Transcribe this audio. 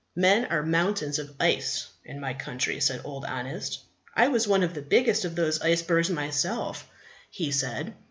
Men are mountains of ice in my country, said Old Honest. I was one of the biggest of those icebergs myself, he said.